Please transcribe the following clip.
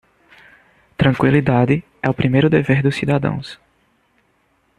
Tranquilidade é o primeiro dever dos cidadãos.